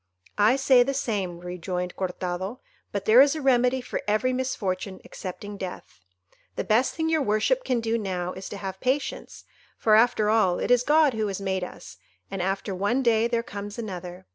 "I say the same," rejoined Cortado, "but there is a remedy for every misfortune excepting death. The best thing your worship can do now is to have patience, for after all it is God who has made us, and after one day there comes another.